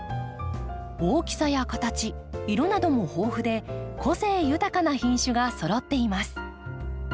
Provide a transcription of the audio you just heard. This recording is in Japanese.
大きさや形色なども豊富で個性豊かな品種がそろっています。